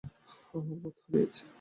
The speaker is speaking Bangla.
আমরা পথ হারিয়েছি।